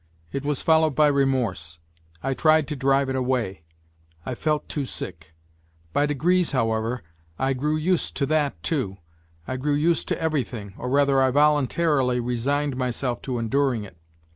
It was followed by remorse I tried to drive it away : I felt too sick. By degrees, however, I grew used to that too. I grew used to everything, or rather I voluntarily resigned myself to enduring it.